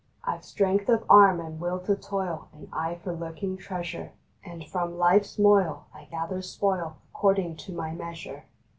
I ve strength of arm, and will to toil, And eye for lurking treasure, And from life s moil I gather spoil According to my measure.